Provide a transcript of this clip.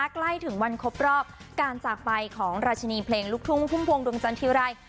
ใกล้ถึงวันครบรอบการจากไปของราชินีเพลงลุคทุ่งภูมพลวงดวงจรรย์ทีราย